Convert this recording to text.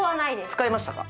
使いましたか？